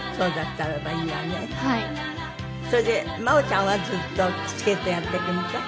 真央ちゃんはずっとスケートやっていくみたい？